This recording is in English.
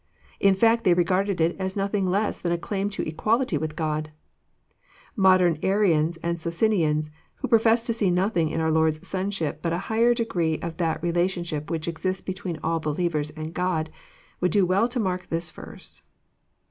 In fact they regarded It as nothing less than a claim to equality with God. Modem Arians and Socinians, who profess to see noth ing in our Lord's Sonship but a higher degree of that relation ship which exists between all believers and God, would do well to mark this verse.